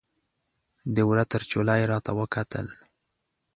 د وره تر چوله یې راته وکتل